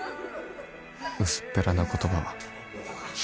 薄っぺらな言葉は